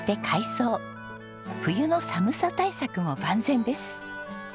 冬の寒さ対策も万全です。